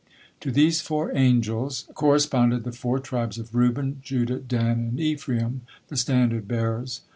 To these four angels corresponded the four tribes of Reuben, Judah, Dan, and Ephraim, the standard bearers.